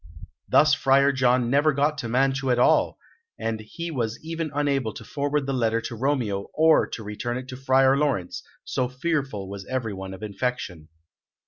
Thus Friar John never got to Mantua at all, and he was even unable to forward the letter to Romeo or to return it to Friar Laurence, so fearful was everyone of infection.